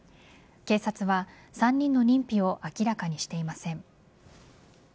警察は３人の認否を明らかにしていません。